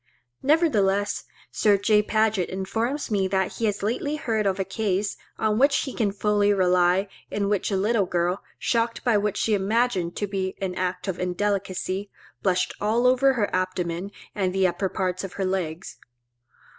Nevertheless Sir J. Paget informs me that he has lately heard of a case, on which he can fully rely, in which a little girl, shocked by what she imagined to be an act of indelicacy, blushed all over her abdomen and the upper parts of her legs.